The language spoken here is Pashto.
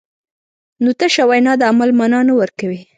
نو تشه وینا د عمل مانا نه ورکوي.